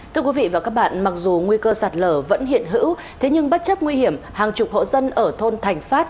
thưa quý vị và các bạn mặc dù nguy cơ sạt lở vẫn hiện hữu thế nhưng bất chấp nguy hiểm hàng chục hộ dân ở thôn thành phát